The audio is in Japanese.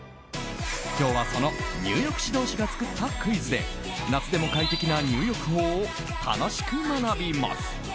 今日はその入浴指導士が作ったクイズで夏でも快適な入浴法を楽しく学びます。